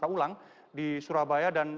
ulang di surabaya dan